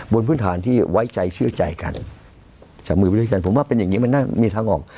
บนพื้นฐานที่ไว้ใจเชื่อใจกันจับมือไปด้วยกันผมว่าเป็นอย่างนี้มันน่ามีทางออก